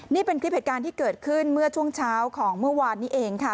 นี่เป็นคลิปเหตุการณ์ที่เกิดขึ้นเมื่อช่วงเช้าของเมื่อวานนี้เองค่ะ